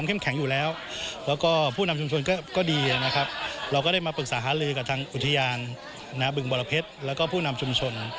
เราก็ได้มาปรึกษาฮารือกับทางอุทยานน้าบึงบรพเพชรแล้วก็ผู้นำชุมชน